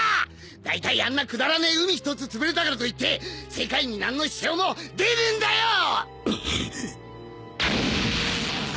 大体あんなくだらねえ海ひとつつぶれたからといって世界になんの支障も出ねえんだよォ！